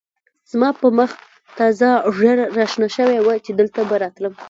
زما په مخ تازه ږېره را شنه شوې وه چې دلته به راتلم.